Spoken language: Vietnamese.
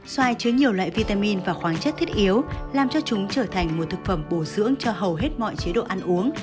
xoài chứa nhiều loại vitamin và khoáng chất thiết yếu làm cho chúng trở thành một thực phẩm bổ dưỡng cho hầu hết mọi chế độ ăn uống